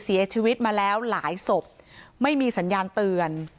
เสียชีวิตมาแล้วหลายศพไม่มีสัญญาณเตือน